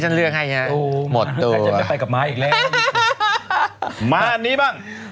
ฉันเลือกให้เนี้ยหมดตัวไม่ไปกับม้าอีกแล้วมาอันนี้บ้าง